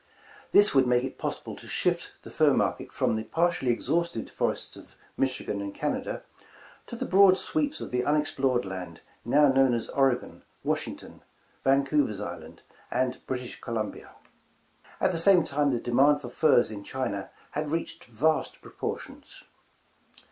This would make it possible to shift the fur market from the partially exhausted forests of Michigan and Canada, to the broad sweeps of the unexplored land now known as Oregon, Washington, Vancouver's Island, and British Columbia. At the same time the demand for furs in China had reached vast proportions.